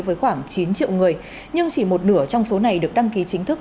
với khoảng chín triệu người nhưng chỉ một nửa trong số này được đăng ký chính thức